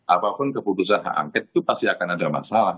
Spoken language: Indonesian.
apapun keputusan hak angket itu pasti akan ada masalah